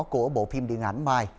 của bộ phim điện ảnh mai